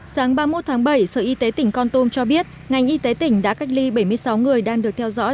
sáng ba mươi một tháng bảy sở y tế tỉnh con tum cho biết ngành y tế tỉnh đã cách ly bảy mươi sáu người đang được theo dõi